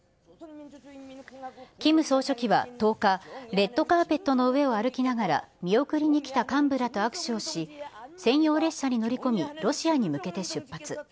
キム総書記は１０日、レッドカーペットの上を歩きながら、見送りに来た幹部らと握手をし、専用列車に乗り込み、ロシアに向けて出発。